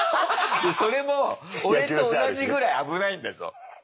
それも俺と同じぐらい危ないんだぞある意味。